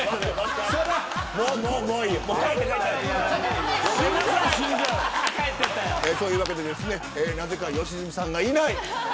そういうわけでなぜか良純さんがいない。